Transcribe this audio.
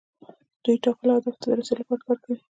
دوی ټاکلو اهدافو ته د رسیدو لپاره کار کوي.